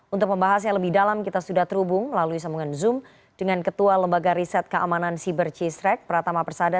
untuk pembahas yang lebih dalam kita sudah terhubung melalui sambungan zoom dengan ketua lembaga riset keamanan siber cistrek pratama persada